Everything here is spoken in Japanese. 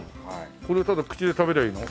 これただ口に入れて食べりゃいいの？